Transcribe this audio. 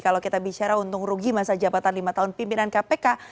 kalau kita bicara untung rugi masa jabatan lima tahun pimpinan kpk